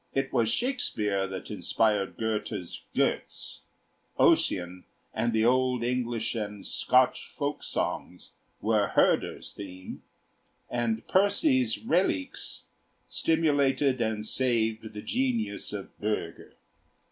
It was Shakespeare that inspired Goethe's 'Götz'; Ossian and the old English and Scotch folk songs were Herder's theme; and Percy's 'Reliques' stimulated and saved the genius of Bürger.